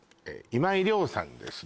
今井良さんです